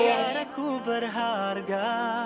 biar aku berharga